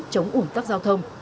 phân luồng giao thông